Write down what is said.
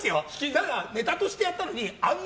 ただ、ネタとしてやったのにあんな